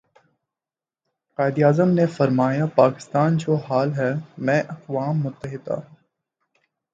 قائد اعظم نے فرمایا پاکستان جو حال ہی میں اقوام متحدہ